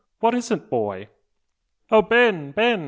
What is't, boy?" "O Ben! Ben!"